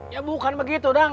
ya bukan begitu dang